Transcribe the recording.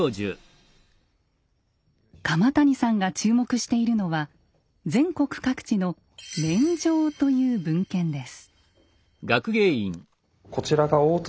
鎌谷さんが注目しているのは全国各地の「免定」という文献です。